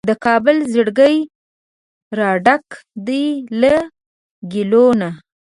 د کابل زړګی راډک دی له ګیلو نه